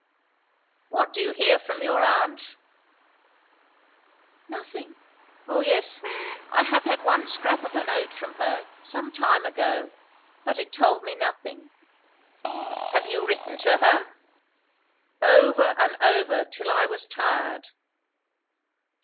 "What do you hear from your aunt?" "Nothing. O yes, I have had one scrap of a note from her; some time ago; but it told me nothing:" "Have you written to her?" "Over and over; till I was tired."